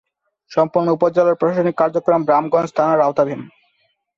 সম্পূর্ণ উপজেলার প্রশাসনিক কার্যক্রম রামগঞ্জ থানার আওতাধীন।